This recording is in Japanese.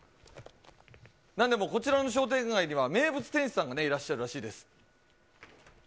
なんでもこちらの商店街には、名物店主さんがいらっしゃるらしいです。